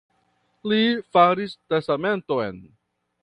Li faris testamenton.